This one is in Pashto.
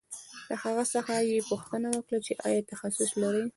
له هغه څخه یې پوښتنه وکړه چې آیا تخصص لرې